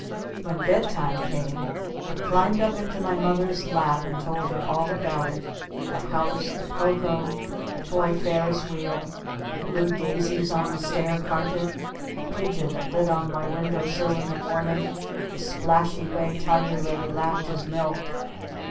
When bed time came I climbed up into my Mother's lap and told her all about it, the house, the cocoa, the toy Ferris Wheel, the blue daisies on the stair carpet, the pigeon that lit on my window sill in the morning, the splashy way Tiger Lily lapped his milk.